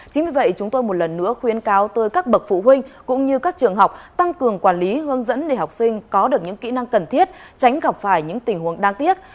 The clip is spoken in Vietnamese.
chính vì vậy chúng tôi một lần nữa khuyến cáo tới các bậc phụ huynh cũng như các trường học tăng cường quản lý hướng dẫn để học sinh có được những kỹ năng cần thiết tránh gặp phải những tình huống đáng tiếc